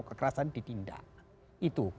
kekerasan ditindak itu